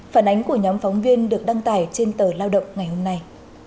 phản ánh của nhóm phóng viên được đăng tải trên tờ lao động ngày hôm nay